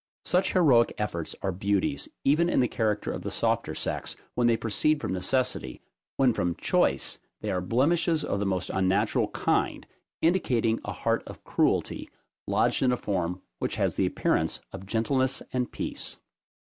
Such heroic efforts are beauties, even in the character of the softer sex, when they proceed from necessity: when from choice, they are blemishes of the most unnatural kind, indicating a heart of cruelty, lodged in a form which has the appearance of gentleness and peace.